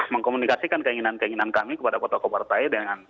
mengkomunikasikan keinginan keinginan kami kepada potok potok partai dengan